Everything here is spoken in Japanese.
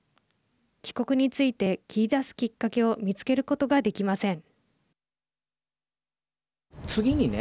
帰国について切り出すきっかけを見つけることができません。